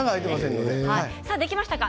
では、できましたか？